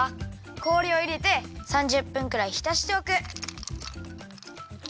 氷をいれて３０分くらいひたしておく。